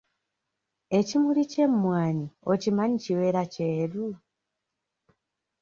Ekimuli ky'emmwanyi okimanyi kibeera kyeru?